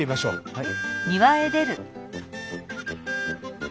はい。